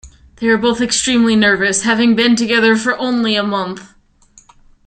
They were both extremely nervous, having been together for only a month.